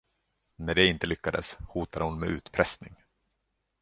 När det inte lyckades, hotade hon med utpressning.